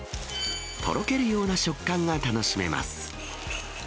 とろけるような食感が楽しめます。